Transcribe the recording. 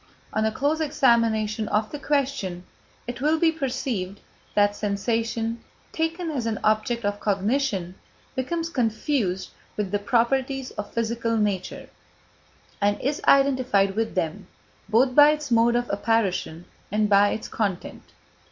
On a close examination of the question, it will be perceived that sensation, taken as an object of cognition, becomes confused with the properties of physical nature, and is identified with them, both by its mode of apparition and by its content.